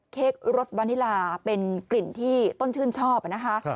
เค้กรสวานิลาเป็นกลิ่นที่ต้นชื่นชอบนะคะ